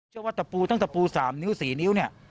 เชื่อว่าตะปูทั้งตะปู๓นิ้ว๔นิ้วเนี่ย